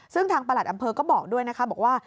ซึ่งทางประหลัดอำเภอก็บอกด้วยนะคะบอกว่า